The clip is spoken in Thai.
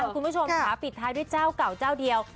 คุณผู้ชมค่ะปิดท้ายด้วยเจ้าเก่าเจ้าเดียว